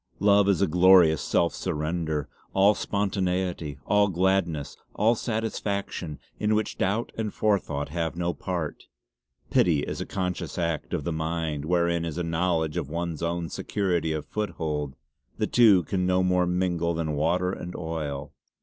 Love is a glorious self surrender; all spontaneity; all gladness, all satisfaction, in which doubt and forethought have no part. Pity is a conscious act of the mind; wherein is a knowledge of one's own security of foothold. The two can no more mingle than water and oil.